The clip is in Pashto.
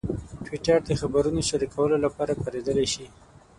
ټویټر د خبرونو شریکولو لپاره کارېدلی شي.